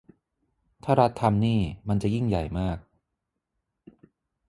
ถ้ารัฐทำนี่มันจะยิ่งใหญ่มาก